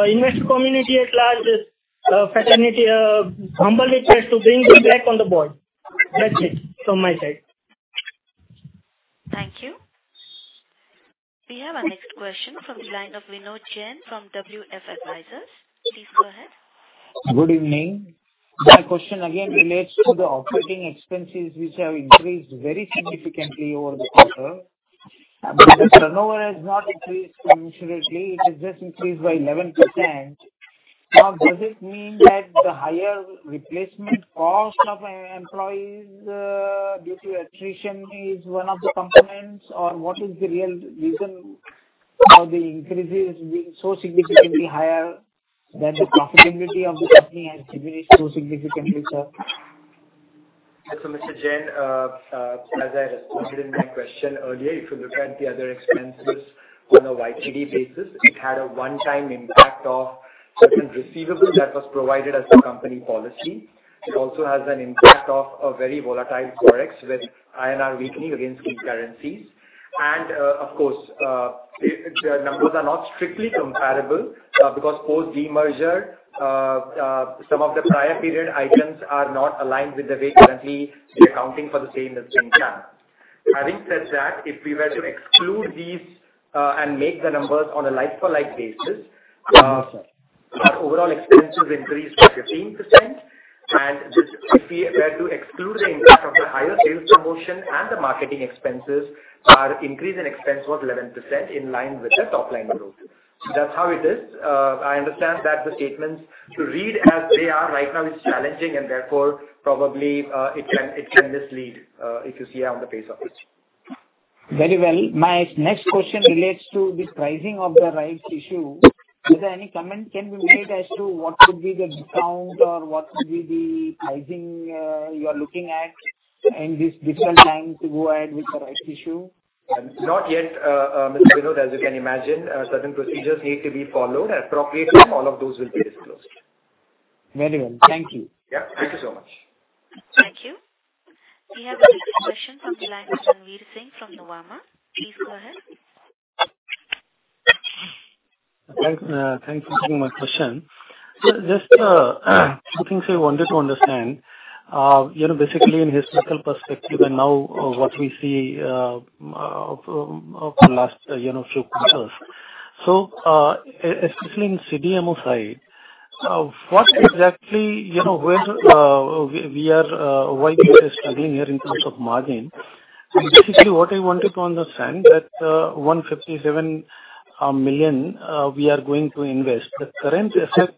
investor community at large, fraternity, humble request to bring them back on the board. That's it from my side. Thank you. We have our next question from the line of Vinod Jain from WF Advisors. Please go ahead. Good evening. My question again relates to the operating expenses which have increased very significantly over the quarter. The turnover has not increased considerably. It has just increased by 11%. Does it mean that the higher replacement cost of employees due to attrition is one of the components? What is the real reason how the increase is being so significantly higher than the profitability of the company has diminished so significantly, sir? Mr. Jain, as I responded in my question earlier, if you look at the other expenses on a YTD basis, it had a one-time impact of certain receivables that was provided as a company policy. It also has an impact of a very volatile Forex with INR weakening against key currencies. Of course, the numbers are not strictly comparable because post de-merger, some of the prior period items are not aligned with the way currently we're accounting for the same is being done. Having said that, if we were to exclude these and make the numbers on a like for like basis, our overall expenses increased by 15%. Just if we were to exclude the impact of the higher sales promotion and the marketing expenses, our increase in expense was 11% in line with the top line growth. That's how it is. I understand that the statements to read as they are right now is challenging and therefore probably, it can mislead if you see on the face of it. Very well. My next question relates to the pricing of the rights issue. Is there any comment can be made as to what could be the discount or what could be the pricing you are looking at in this different time to go ahead with the rights issue? Not yet, Mr. Vinod. As you can imagine, certain procedures need to be followed appropriately. All of those will be disclosed. Very well. Thank you. Yeah. Thank you so much. Thank you. We have the next question from the line of Ranvir Singh from Nuvama. Please go ahead. Thanks. Thanks for taking my question. Just two things I wanted to understand. you know, basically in historical perspective and now what we see over the last, you know, few quarters. In CDMO side, what exactly, you know, where we are, why we are struggling here in terms of margin? Basically what I wanted to understand that $157 million we are going to invest. The current asset,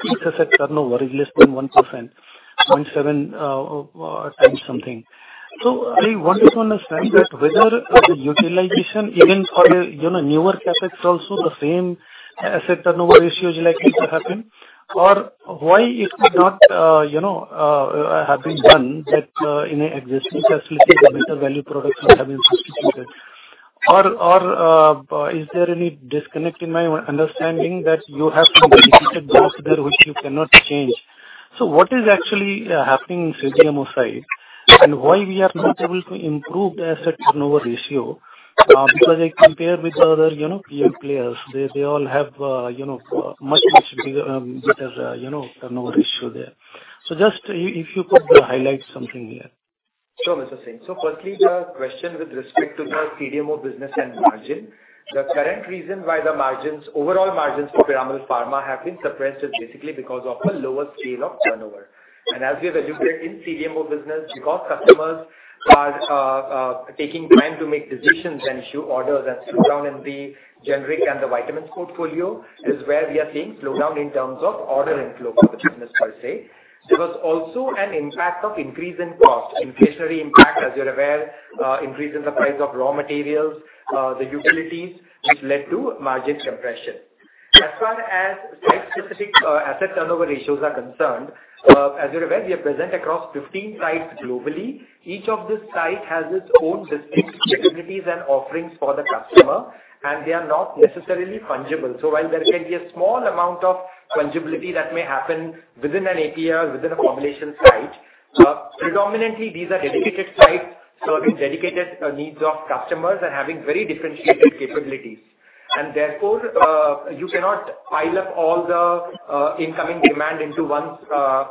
fixed asset turnover is less than 1%, 0.7x something. I wanted to understand that whether the utilization even for, you know, newer CapEx also the same asset turnover ratio is likely to happen or why it could not, you know, have been done that in existing facilities where better value products could have been substituted. Is there any disconnect in my understanding that you have to which you cannot change. What is actually happening CDMO side and why we are not able to improve the asset turnover ratio, because I compare with the other, you know, peer players. They all have, you know, much, much bigger, better, you know, turnover ratio there. Just if you could highlight something here. Sure, Mr. Singh. Firstly, the question with respect to the CDMO business and margin. The current reason why the margins, overall margins for Piramal Pharma have been suppressed is basically because of the lower scale of turnover. As we have elaborated in CDMO business, because customers are taking time to make decisions and issue orders and slow down in the generic and the vitamins portfolio is where we are seeing slowdown in terms of order inflow for the business per se. There was also an impact of increase in cost, inflationary impact, as you're aware, increase in the price of raw materials, the utilities, which led to margin compression. As far as site-specific asset turnover ratios are concerned, as you're aware, we are present across 15 sites globally. Each of this site has its own distinct capabilities and offerings for the customer, and they are not necessarily fungible. While there can be a small amount of fungibility that may happen within an API or within a formulation site, predominantly these are dedicated sites serving dedicated needs of customers and having very differentiated capabilities. Therefore, you cannot pile up all the incoming demand into one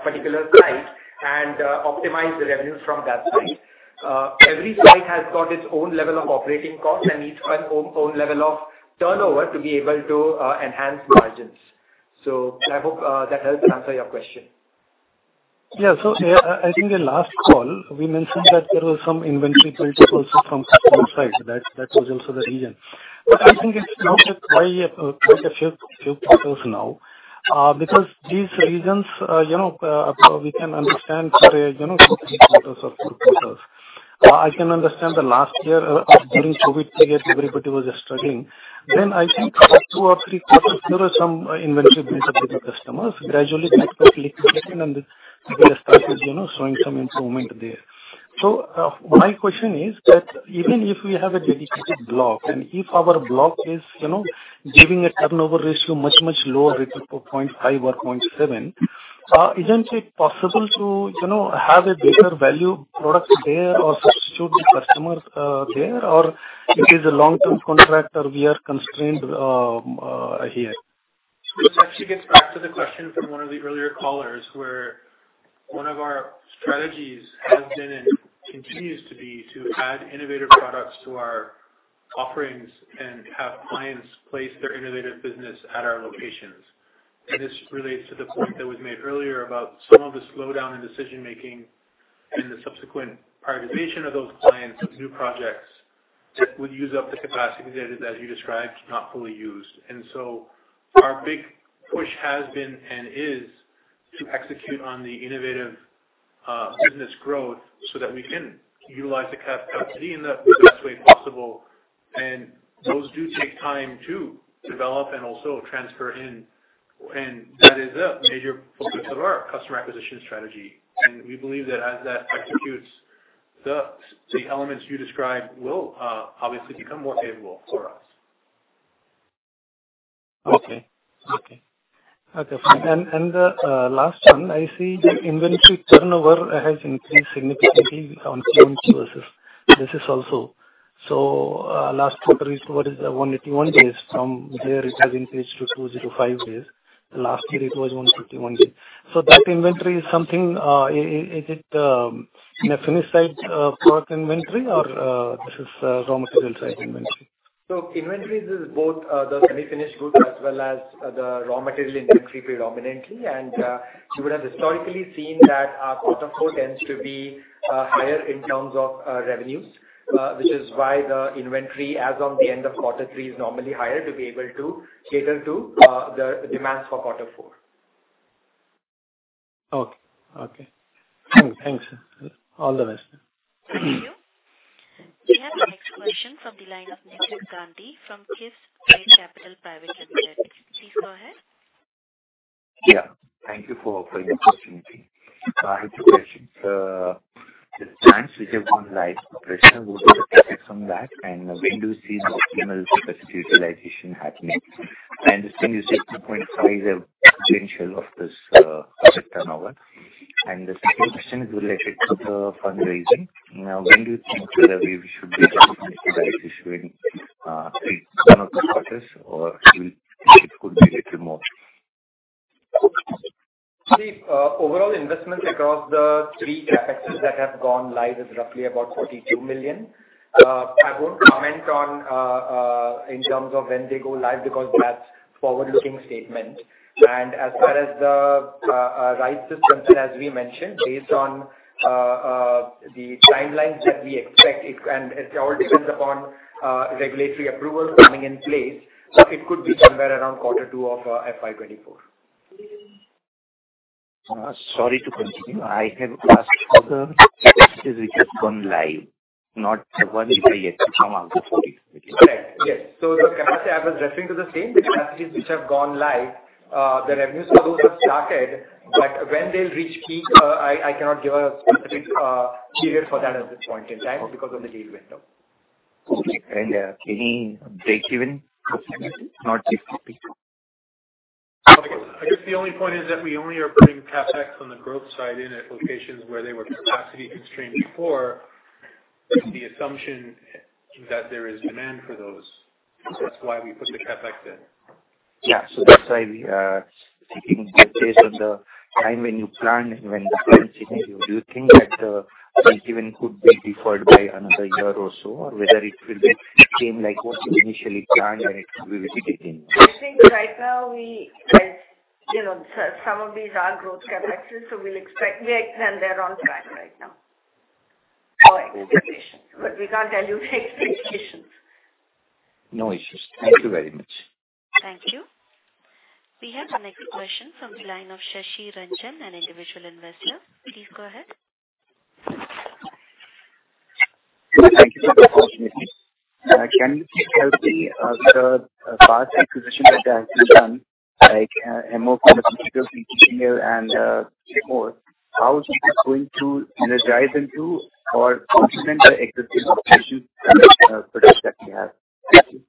particular site and optimize the revenues from that site. Every site has got its own level of operating costs and its own level of turnover to be able to enhance margins. I hope that helps answer your question. Yeah. I think the last call we mentioned that there was some inventory buildup also from customer side. That was also the reason. I think it's now that why, quite a few quarters now, because these reasons, you know, we can understand for a, you know, three quarters or four quarters. I can understand the last year, during COVID period, everybody was struggling. I think for two or three quarters there was some inventory built up with the customers. Gradually I expect liquidation and the business started, you know, showing some improvement there. My question is that even if we have a dedicated block and if our block is, you know, giving a turnover ratio much, much lower, it's 0.5 or 0.7, isn't it possible to, you know, have a better value product there or substitute customers, there or it is a long-term contract or we are constrained, here? This actually gets back to the question from one of the earlier callers, where one of our strategies has been and continues to be to add innovative products to our offerings and have clients place their innovative business at our locations. This relates to the point that was made earlier about some of the slowdown in decision making and the subsequent prioritization of those clients with new projects that would use up the capacity that as you described, is not fully used. Our big push has been and is to execute on the innovative business growth so that we can utilize the capacity in the best way possible. Those do take time to develop and also transfer in, and that is a major focus of our customer acquisition strategy. We believe that as that executes, the elements you describe will obviously become more favorable for us. Okay. Okay. Okay, fine. last one. I see the inventory turnover has increased significantly on change versus this is also. Last quarter is what is, 181 days, from there it has increased to 205 days. Last year it was 151 days. That inventory is something, is it, a finished site, product inventory or, this is, raw material site inventory? Inventories is both the semi-finished goods as well as the raw material inventory predominantly. You would have historically seen that our quarter four tends to be higher in terms of revenues, which is why the inventory as on the end of quarter three is normally higher to be able to cater to the demands for quarter four. Okay. Okay. Thanks. All the best. Thank you. We have the next question from the line of Nitin Gandhi from KIFS Trade Capital Private Limited. Please go ahead. Yeah. Thank you for offering the opportunity. I have two questions. The plants which have gone live, what are the CapEx on that? When do you see the optimal capacity utilization happening? I understand you said 2.5 have been share of this asset turnover. The second question is related to the fundraising. When do you think that we should be considering pre-turn of the quarters or it will, it could be little more? See, overall investments across the three CapExes that have gone live is roughly about $42 million. I won't comment on, in terms of when they go live because that's forward-looking statement. As far as the right issue, as we mentioned, based on the timelines that we expect it, and it all depends upon regulatory approvals coming in place, it could be somewhere around quarter two of FY 2024. Sorry to continue. I had asked for the CapEx which has gone live, not the one which is yet to come after 40. The capacity I was referring to the same, the capacities which have gone live, the revenues for those have started, but when they'll reach peak, I cannot give a specific period for that at this point in time because of the deal window. Okay. Any breakeven assumptions, not just peak? I guess the only point is that we only are putting CapEx on the growth side in at locations where they were capacity constrained before with the assumption that there is demand for those. That's why we put the CapEx in. Yeah. That's why we are taking the case of the time when you plan and when the plan changes. Do you think that the breakeven could be deferred by another year or so or whether it will be same like what you initially planned and it will be retained? I think right now we, as you know, some of these are growth CapExes, so we'll expect they're, and they're on track right now. Our expectation. We can't tell you the expectations. No issues. Thank you very much. Thank you. We have the next question from the line of Shashikiran Jain, an individual investor. Please go ahead. Thank you for the opportunity. Can you tell me the past acquisitions that have been done, like Hemmo Pharmaceuticals in Kitchener and three more, how is this going to energize into or complement the existing operations and products that we have? Thank you.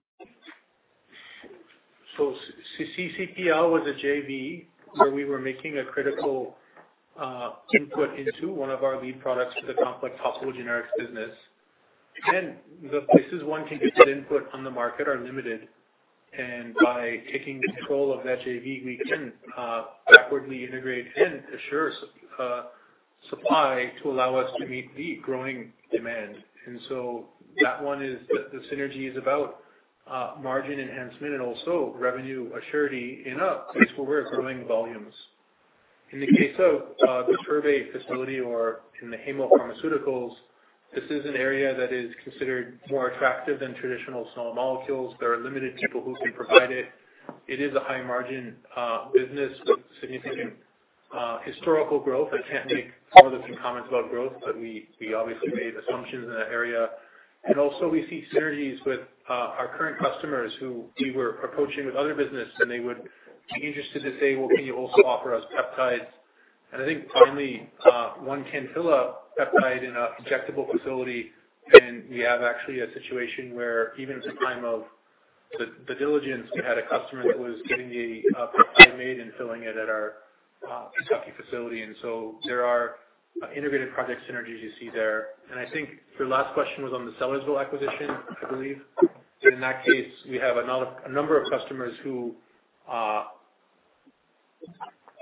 CCPL was a JV where we were making a critical input into one of our lead products for the complex hospital generics business. Again, the places one can get input on the market are limited, and by taking control of that JV, we can backwardly integrate and assure supply to allow us to meet the growing demand. That one is, the synergy is about margin enhancement and also revenue assuredly in a place where we're growing volumes. In the case of the Turbhe facility or in the Hemmo Pharmaceuticals, this is an area that is considered more attractive than traditional small molecules. There are limited people who can provide it. It is a high margin business with significant historical growth. I can't make forward-looking comments about growth, but we obviously made assumptions in that area. Also we see synergies with our current customers who we were approaching with other business and they would be interested to say, "Well, can you also offer us peptides?" I think finally, one can fill a peptide in a injectable facility, and we have actually a situation where even at the time of the diligence, we had a customer who was getting the peptide made and filling it at our Lexington facility. So there are integrated project synergies you see there. I think your last question was on the Sellersville acquisition, I believe. In that case, we have a number of customers who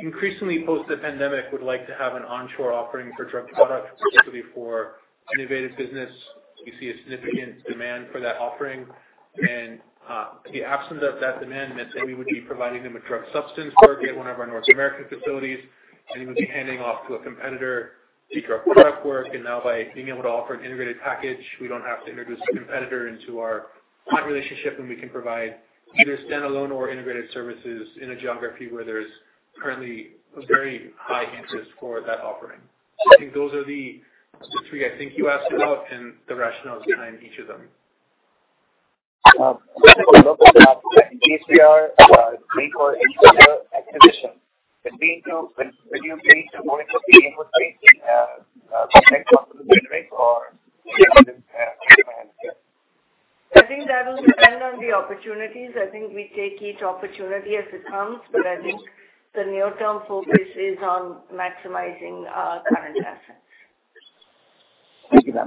increasingly post the pandemic would like to have an onshore offering for drug product, particularly for innovative business. We see a significant demand for that offering. In the absence of that demand, let's say we would be providing them a drug substance work at one of our North American facilities, and we would be handing off to a competitor the drug product work. Now by being able to offer an integrated package, we don't have to introduce a competitor into our client relationship, and we can provide either standalone or integrated services in a geography where there's currently a very high interest for that offering. I think those are the three I think you asked about and the rationales behind each of them. Just a couple of follow-up. In case we are going for any further acquisition, Will you be looking for the input space in complex hospital generics or something to enhance it? I think that will depend on the opportunities. I think we take each opportunity as it comes. I think the near-term focus is on maximizing our current assets. Thank you, ma'am.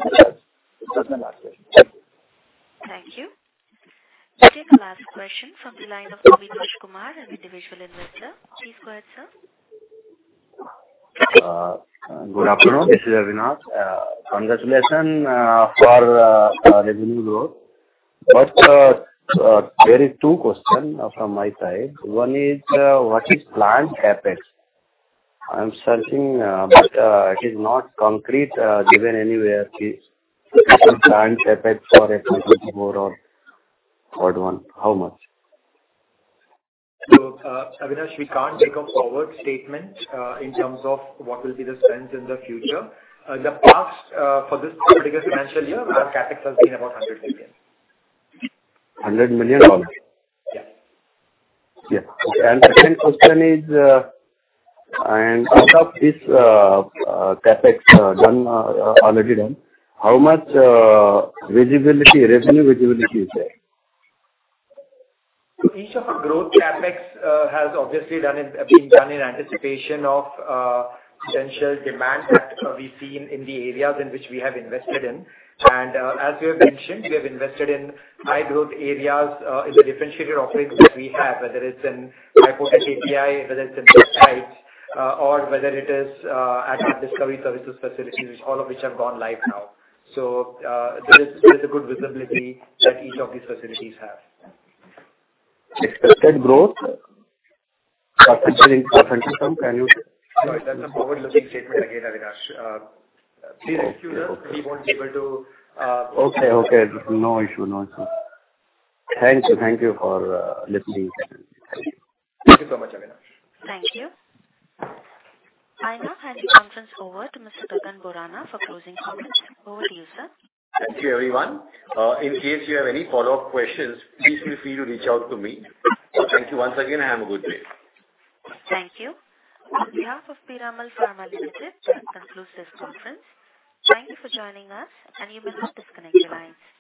That's my last question. Thank you. Thank you. We'll take the last question from the line of Avinash Kumar, an individual investor. Please go ahead, sir. Good afternoon. Good afternoon. This is Avinash. Congratulations, for revenue growth. There is two question from my side. One is, what is planned CapEx? I'm searching, but, it is not concrete, given anywhere, the different planned CapEx for a 20 more or forward one. How much? Avinash, we can't make a forward statement, in terms of what will be the spends in the future. The past, for this biggest financial year, our CapEx has been about $100 million. $100 million? Yeah. Yeah. Okay. Second question is, out of this CapEx done already done, how much visibility, revenue visibility is there? Each of our growth CapEx has obviously done in, been done in anticipation of potential demand that we've seen in the areas in which we have invested in. As we have mentioned, we have invested in high growth areas in the differentiated offerings that we have, whether it's in high-potency API, whether it's in peptides, or whether it is at our discovery services facility, which all of which have gone live now. There is a good visibility that each of these facilities have. Expected growth potentially, some... Sorry. That's a forward-looking statement again, Avinash. Please excuse us. Okay. Okay. We won't be able to. Okay. No issue. Thanks. Thank you for listening. Thank you so much, Avinash. Thank you. I now hand the conference over to Mr. Gagan Borana for closing comments. Over to you, sir. Thank you, everyone. In case you have any follow-up questions, please feel free to reach out to me. Thank you once again, and have a good day. Thank you. On behalf of Piramal Pharma Limited, that concludes this conference. Thank you for joining us, and you may now disconnect your lines.